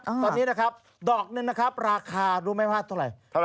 ตอนนี้นะครับดอกหนึ่งนะครับราคารู้ไหมว่าเท่าไหร่